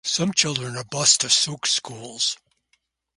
Some children are bussed to Sooke schools.